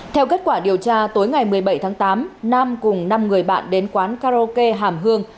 theo kết quả điều tra tối ngày một mươi bảy tháng tám nam cùng năm người bạn đến quán karaoke hàm hương